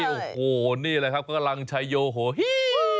โอ้โหนี่แหละครับกำลังชายโยโหฮิ